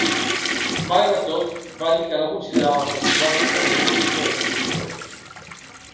Malgrat tot, va dir que no consideraven els festivals “esdeveniments supertransmissors”.